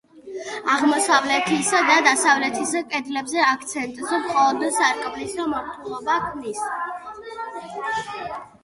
აღმოსავლეთის და დასავლეთის კედლებზე აქცენტს მხოლოდ სარკმლის მორთულობა ქმნის.